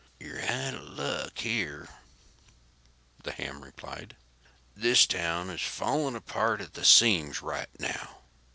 "You're out of luck here," the ham replied. "This town is falling apart at the seams right now.